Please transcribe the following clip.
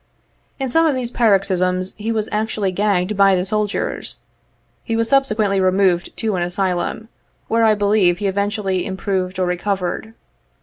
In some of these paroxysms, he was actually gagged by the soldiers. He was subsequently removed to an Asylum, where, I believe, he eventually improved or recovered.